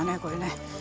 これね。